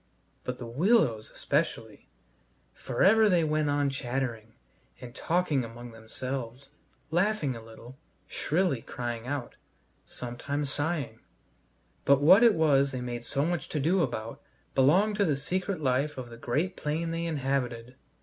But the willows especially: for ever they went on chattering and talking among themselves, laughing a little, shrilly crying out, sometimes sighing but what it was they made so much to do about belonged to the secret life of the great plain they inhabited.